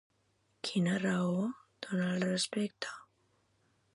Quina raó dona al respecte?